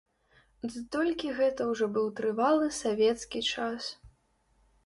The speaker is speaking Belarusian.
Ды толькі гэта ўжо быў трывалы савецкі час.